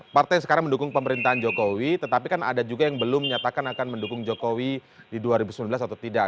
partai yang sekarang mendukung pemerintahan jokowi tetapi kan ada juga yang belum menyatakan akan mendukung jokowi di dua ribu sembilan belas atau tidak